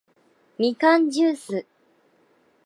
みかんじゅーす